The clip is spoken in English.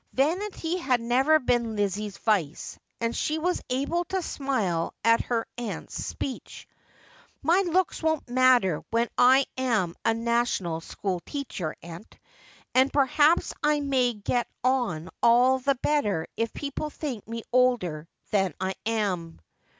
Vanity had never been Lizzie's vice, and she was able to smile at her aunt's speech. ' My looks won't matter when I am a national school teacher, aunt ; and perhaps I may get on all the better if people think me older than I am.'